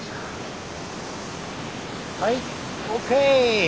はいＯＫ！